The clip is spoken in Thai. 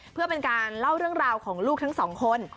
เพื่อเป็นการเล่าเรื่องราวของลูกทั้งสองคน